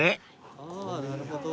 あぁなるほど。